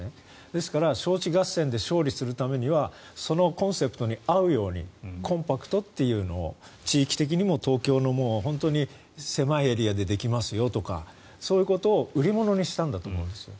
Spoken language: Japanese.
ですから招致合戦で勝利するためにはそのコンセプトに合うようにコンパクトというのを地域的にも東京の本当に狭いエリアでできますよとかそういうことを売り物にしたんだと思うんですよ。